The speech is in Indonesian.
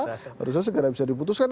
harusnya segera bisa diputuskan